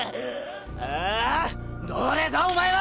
ああっ⁉誰だお前は！